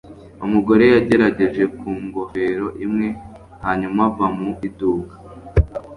Umugore yagerageje ku ngofero imwe, hanyuma ava mu iduka.